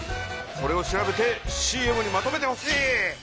それを調べてＣＭにまとめてほしい。